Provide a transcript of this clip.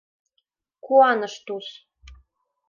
— Куаныш Туз.